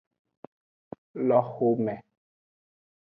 Le xome.